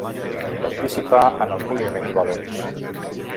Participà en els moviments valons.